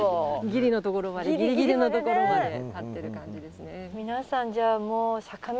ギリのところまでギリギリのところまで立ってる感じですね。